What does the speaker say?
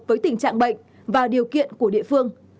với tình trạng bệnh và điều kiện của địa phương